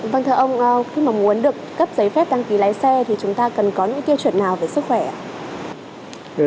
vâng thưa ông khi mà muốn được cấp giấy phép đăng ký lái xe thì chúng ta cần có những tiêu chuẩn nào về sức khỏe ạ